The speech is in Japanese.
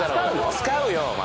使うよお前。